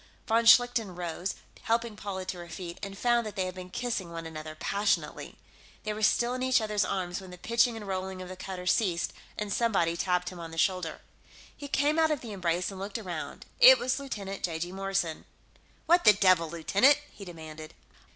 Von Schlichten rose, helping Paula to her feet, and found that they had been kissing one another passionately. They were still in each other's arms when the pitching and rolling of the cutter ceased and somebody tapped him on the shoulder. He came out of the embrace and looked around. It was Lieutenant (j.g.) Morrison. "What the devil, lieutenant?" he demanded.